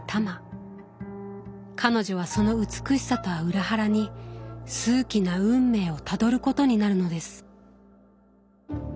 彼女はその美しさとは裏腹に数奇な運命をたどることになるのです。